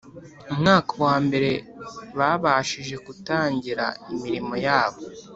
umwaka wa mbere babashije kutangira imirimo yabo